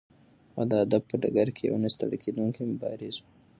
هغه د ادب په ډګر کې یو نه ستړی کېدونکی مبارز و.